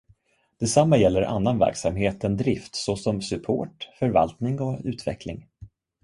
Detsamma gäller annan verksamhet än drift såsom support, förvaltning och utveckling.